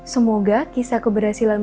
semoga kisah keberhasilan